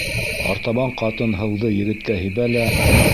Артабан ҡатын һыуҙы егеткә һибә лә: